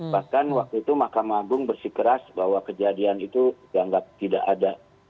bahkan waktu itu mahkamah agung bersikeras bahwa kejadian itu dianggap tidak ada